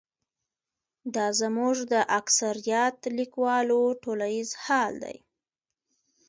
دا زموږ د اکثریت لیکوالو ټولیز حال دی.